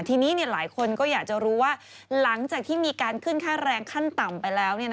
ทีนี้หลายคนก็อยากจะรู้ว่าหลังจากที่มีการขึ้นค่าแรงขั้นต่ำไปแล้ว